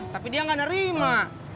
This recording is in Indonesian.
tapi dia nggak nerima